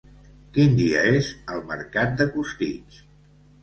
Quin dia és el mercat de Costitx?